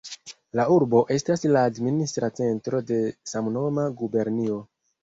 La urbo estas la administra centro de samnoma gubernio.